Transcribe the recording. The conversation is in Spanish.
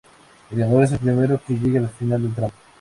El ganador es el primero que llegue al final del tramo.